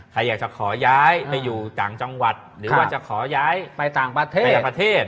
ใครอยากจะขอย้ายไปอยู่ต่างจังหวัดหรือว่าจะขอย้ายไปต่างประเทศประเทศ